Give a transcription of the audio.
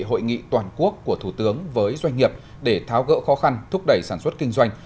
hội nghị toàn quốc của thủ tướng với doanh nghiệp để tháo gỡ khó khăn thúc đẩy sản xuất kinh doanh